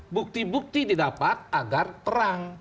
bukti bukti didapat agar perang